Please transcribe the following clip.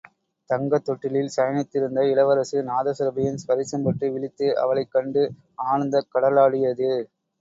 தங்கத் தொட்டிலில் சயனித்திருந்த இளவரசு நாதசுரபியின் ஸ்பரிசம்பட்டு விழித்து, அவளைக் கண்டு ஆனந்தக் கடலாடியது.